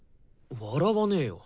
笑わねよ。